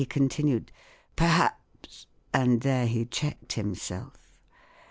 continued, " perhaps and there he checked himself.